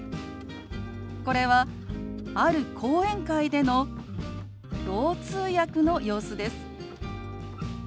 これはある講演会でのろう通訳の様子です。